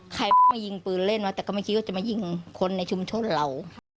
ใครมายิงปืนเล่นไว้แต่ก็ไม่คิดว่าจะมายิงคนในชุมชนเรา